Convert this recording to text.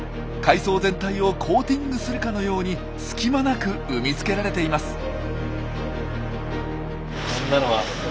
海藻全体をコーティングするかのように隙間なく産み付けられています。